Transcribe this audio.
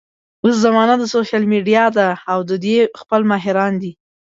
اوس زمانه د سوشل ميډيا ده او د دې خپل ماهران دي